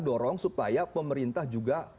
dorong supaya pemerintah juga